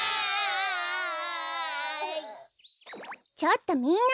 ちょっとみんな！